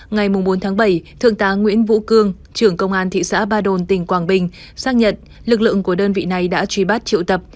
ngày bốn bảy thượng tá nguyễn vũ cương trưởng công an thị xã ba đồn tỉnh quảng bình xác nhận lực lượng của đơn vị này đã truy bắt triệu tập